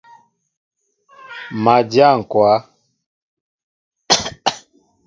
Má dyá ŋkwă.